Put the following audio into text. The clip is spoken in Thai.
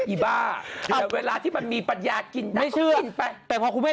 อีบ้าเวลาที่มันมีปัญญากินต้องกินไป